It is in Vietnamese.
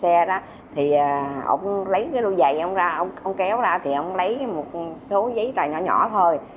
xe đó thì ông lấy cái lô dày ông ra ông không kéo ra thì ông lấy một số giấy tờ nhỏ nhỏ thôi